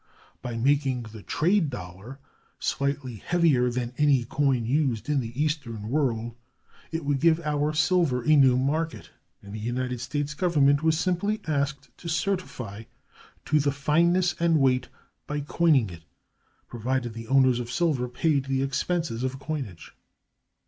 By making the "trade dollar" slightly heavier than any coin used in the Eastern world, it would give our silver a new market; and the United States Government was simply asked to certify to the fineness and weight by coining it, provided the owners of silver paid the expenses of coinage.